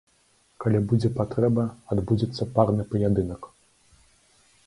Калі будзе патрэба, адбудзецца парны паядынак.